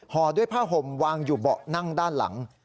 ห่อด้วยผ้าห่มวางอยู่เบาะนั่งด้านหลัง